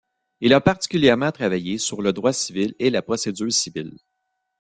Il a particulièrement travaillé sur le droit civil et la procédure civile.